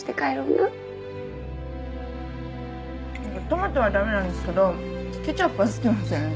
トマトはダメなんですけどケチャップは好きなんすよね。